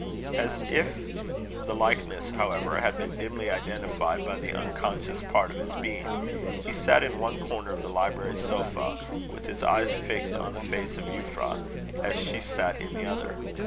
As if the likeness, however, had been dimly identified by the unconscious part of his being, he sat in one corner of the library sofa, with his eyes fixed on the face of Euphra, as she sat in the other.